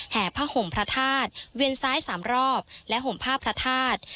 ผ้าห่มพระธาตุเวียนซ้าย๓รอบและห่มผ้าพระธาตุ